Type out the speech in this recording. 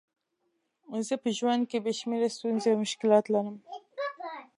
زه په ژوند کې بې شمېره ستونزې او مشکلات لرم.